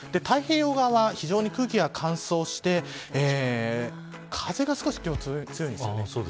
太平洋側は、非常に空気が乾燥して風が少し今日は強いんです。